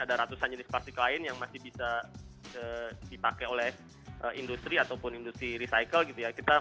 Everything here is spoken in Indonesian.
ada ratusan jenis plastik lain yang masih bisa dipakai oleh industri ataupun industri recycle gitu ya